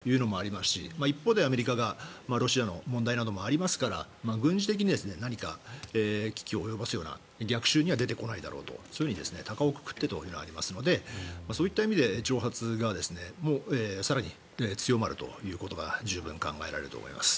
ですから、北朝鮮としては２つありまして対話にアメリカを振り向かせたいというのもありますし一方でアメリカがロシアの問題などもありますから軍事的に何か危機を及ぼすような逆襲には出てこないだろうとそういうふうに高をくくってというところがありますのでそういった意味で挑発が更に強まるということが十分に考えられると思います。